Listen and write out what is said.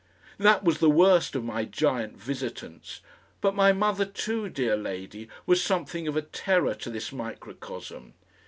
That was the worst of my giant visitants, but my mother too, dear lady, was something of a terror to this microcosm.